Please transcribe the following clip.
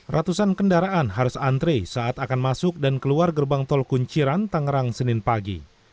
ratusan kendaraan harus antre saat akan masuk dan keluar gerbang tol kunciran tangerang senin pagi